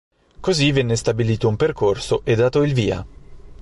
Così venne stabilito un percorso e dato il via.